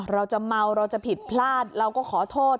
เราจะเมาเราจะผิดพลาดเราก็ขอโทษ